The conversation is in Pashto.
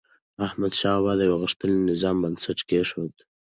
احمدشاه بابا د یو غښتلي نظام بنسټ کېښود.